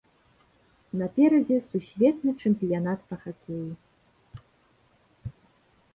Наперадзе сусветны чэмпіянат па хакеі.